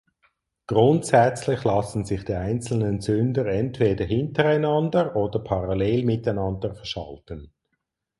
Grundsätzlich lassen sich die einzelnen Zünder entweder hintereinander oder parallel miteinander verschalten.